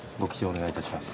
お願いいたします。